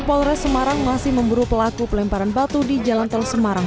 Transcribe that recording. polres semarang masih memburu pelaku pelemparan batu di jalan tol semarang